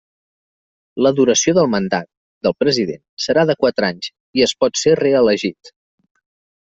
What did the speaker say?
La duració del mandat del president serà de quatre anys, i es pot ser reelegit.